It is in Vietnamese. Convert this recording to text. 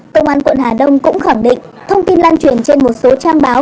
công an quận hà đông cũng khẳng định thông tin lan truyền trên một số trang báo